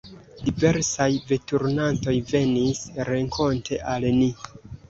Diversaj veturantoj venis renkonte al ni.